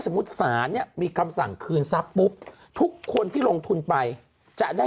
สมมุติสารเนี้ยมีกำสั่งคืนทุกคนที่ลงทุนไปจะได้